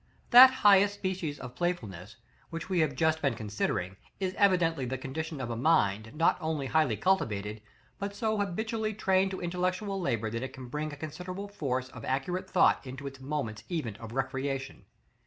That highest species of playfulness, which we have just been considering, is evidently the condition of a mind, not only highly cultivated, but so habitually trained to intellectual labor that it can bring a considerable force of accurate thought into its moments even of recreation.